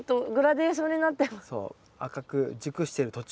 赤く熟してる途中。